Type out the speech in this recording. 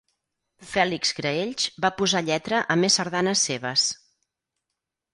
Fèlix Graells va posar lletra a més sardanes seves.